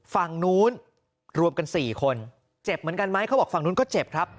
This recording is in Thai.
ฝั่งนู้นรวมกันสี่คนเจ็บเหมือนกันไหมเขาบอกฝั่งนู้นก็เจ็บครับ